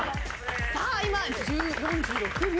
さあ今４６秒。